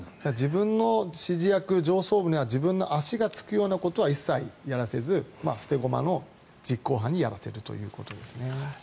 自分の指示役、上層部に足がつくようなことは一切やらせず、捨て駒の実行犯にやらせるということですね。